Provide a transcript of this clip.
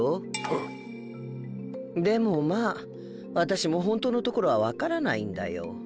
でもまあ私もホントのところは分からないんだよ。